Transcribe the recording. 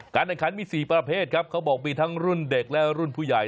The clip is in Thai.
การอาชารณ์มี๔ประเภทครับเขาบอกว่ามีทั้งรุ่นเด็กและรุ่นผู้ใหญ่